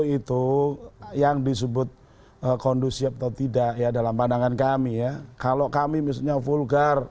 itu yang disebut kondusif atau tidak ya dalam pandangan kami ya kalau kami misalnya vulgar